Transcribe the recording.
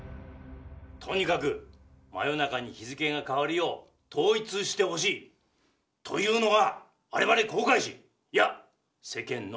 とにかく真夜中に日付が変わるよう統一してほしいというのが我々航海士いや世間の望みなんですよ！